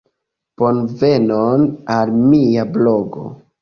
Bonvenon al mia blogo.